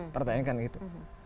pertanyaan kan gitu